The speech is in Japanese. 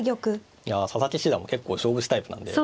いや佐々木七段も結構勝負師タイプなんで。